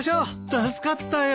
助かったよ。